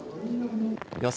予想